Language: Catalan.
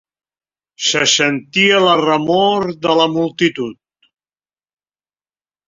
Se sentia la remor de la multitud.